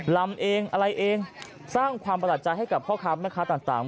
ลำเองอะไรเองสร้างความประหลาดใจให้กับพ่อค้าแม่ค้าต่าง